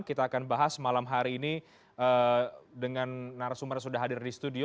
kita akan bahas malam hari ini dengan narasumber yang sudah hadir di studio